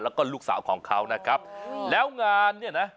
แล้วก็ลูกสาวของเขานะครับแล้วงานเนี่ยนะ